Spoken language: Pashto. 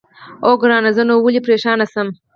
اوه، ګرانه زه نو ولې پرېشانه شم؟